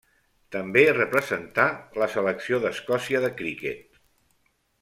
També representà la selecció d'Escòcia de criquet.